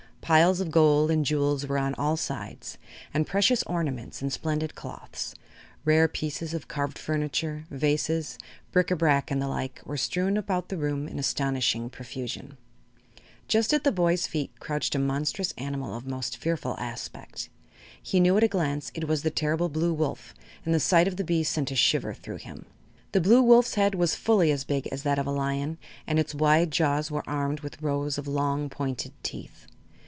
Piles of gold and jewels were on all sides and precious ornaments and splendid cloths, rare pieces of carved furniture, vases, bric a brac and the like, were strewn about the room in astonishing profusion. Just at the boy's feet crouched a monstrous animal of most fearful aspect. He knew at a glance it was the terrible Blue Wolf and the sight of the beast sent a shiver through him. The Blue Wolf's head was fully as big as that of a lion and its wide jaws were armed with rows of long, pointed teeth.